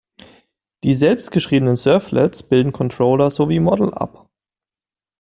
Die selbst geschriebenen Servlets bilden Controller sowie Model ab.